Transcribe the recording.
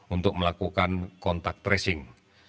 untuk melakukan kontak tracing